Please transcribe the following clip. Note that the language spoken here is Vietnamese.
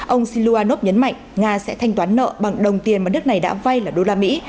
ông siluanov nhấn mạnh nga sẽ thanh toán nợ bằng đồng tiền mà nước này đã vay là đô la mỹ